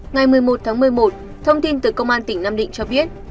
ngày một mươi một tháng một mươi một thông tin từ công an tỉnh nam định cho biết